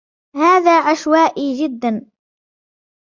هذا عشوائي جداً.